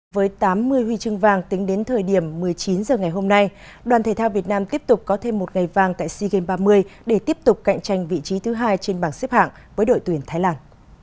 với tám mươi huy chương vàng tính đến thời điểm một mươi chín h ngày hôm nay đoàn thể thao việt nam tiếp tục có thêm một ngày vàng tại sea games ba mươi để tiếp tục cạnh tranh vị trí thứ hai trên bảng xếp hạng với đội tuyển thái lan